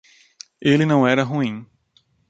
Ele não era ruim.